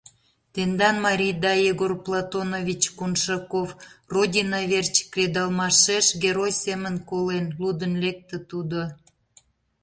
— «Тендан марийда, Егор Платонович Коншаков, Родина верч кредалмашеш герой семын колен», — лудын лекте тудо.